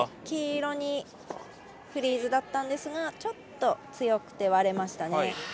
黄色にフリーズだったんですがちょっと強くて割れましたね。